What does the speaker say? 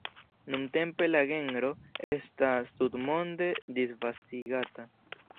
Nuntempe la genro estas tutmonde disvastigata.